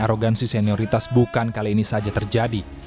arogansi senioritas bukan kali ini saja terjadi